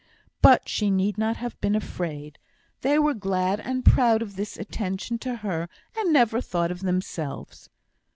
But she need not have been afraid. They were glad and proud of the attention to her, and never thought of themselves.